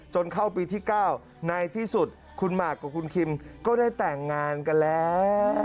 เข้าปีที่๙ในที่สุดคุณหมากกับคุณคิมก็ได้แต่งงานกันแล้ว